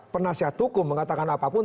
penasihat hukum mengatakan apapun